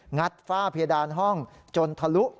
งัดฝ้าเพียดานห้องจนทะลุ